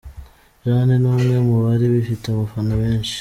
Jane, ni umwe mu bari bafite abafana benshi.